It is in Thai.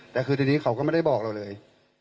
แต่คือทีนี้เขาก็ไม่ได้บอกเราเลย